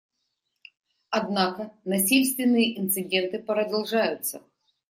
Однако насильственные инциденты продолжаются.